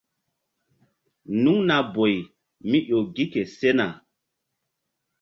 Nuŋna boy mí ƴo gi ke sena.